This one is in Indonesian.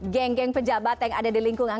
geng geng pejabat yang ada di lingkungan